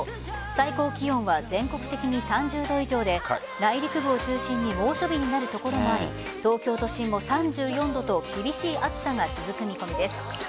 最高気温は全国的に３０度以上で内陸部を中心に猛暑日になる所もあり東京都心も３４度と厳しい暑さが続く見込みです。